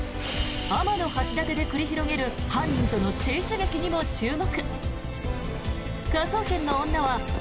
天橋立で繰り広げる犯人とのチェイス劇にも注目！